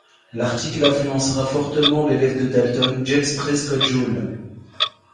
L'article influencera fortement l'élève de Dalton, James Prescott Joule.